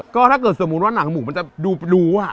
ก็ถ้าเกิดสมมุติว่าหนังหมูมันจะดูรู้